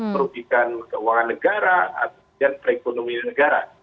merugikan keuangan negara atau perekonomian negara